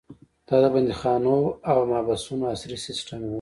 دا د بندیخانو او محبسونو عصري سیستم و.